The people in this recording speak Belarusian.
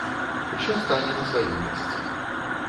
Усё стане на свае месцы.